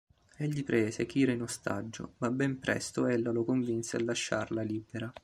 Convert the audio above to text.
Egli prese Kira in ostaggio, ma ben presto ella lo convinse a lasciarla libera.